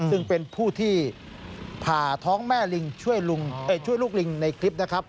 ซึ่งเป็นผู้ที่ผ่าท้องแม่ลิงช่วยลูกลิงในคลิปนะครับ